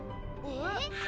えっ？